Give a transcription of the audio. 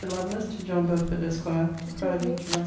LOVELACE, TO JOHN BELFORD, ESQ. FRIDAY, JULY 7.